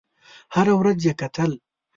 هره ورځ یې کتل.